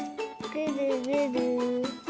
ぐるぐる？